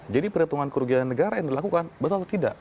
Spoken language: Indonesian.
jadi perhitungan kerugian negara yang dilakukan betul atau tidak